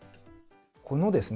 このですね